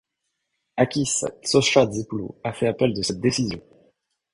Ákis Tsochatzópoulos a fait appel de cette décision.